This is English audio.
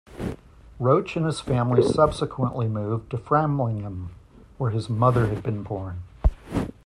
Roach and his family subsequently moved to Framlingham, where his mother had been born.